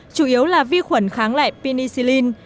chủ yếu là vi khuẩn kháng lại penicillin